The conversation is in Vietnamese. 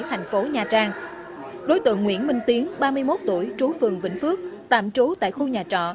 thành phố nha trang đối tượng nguyễn minh tiến ba mươi một tuổi trú phường vĩnh phước tạm trú tại khu nhà trọ